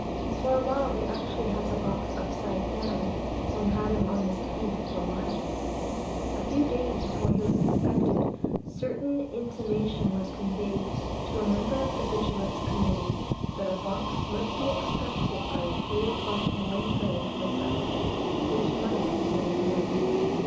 For a while they actually had the box upside down, and had him on his head for miles. A few days before he was expected, certain intimation was conveyed to a member of the Vigilance Committee that a box might be expected by the three o'clock morning train from the South, which might contain a man.